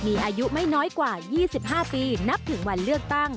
มีอายุไม่น้อยกว่า๒๕ปีนับถึงวันเลือกตั้ง